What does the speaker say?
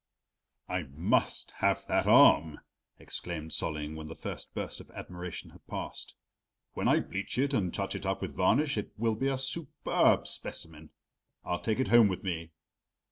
"I must have that arm," exclaimed Solling, when the first burst of admiration had passed. "When I bleach it and touch it up with varnish, it wild be a superb specimen. I'll take it home with me."